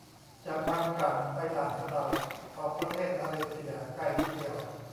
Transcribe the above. จากบางกล่ำ ไปด่านสะเดา ออกประเทศมาเลเซียใกล้นิดเดียว